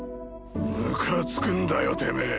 ムカつくんだよてめぇ。